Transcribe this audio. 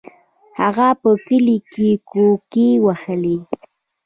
هغه په کلي کې کوکې وهلې.